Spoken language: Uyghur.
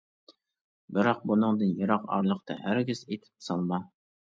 بىراق بۇنىڭدىن يىراق ئارىلىقتا ھەرگىز ئېتىپ سالما.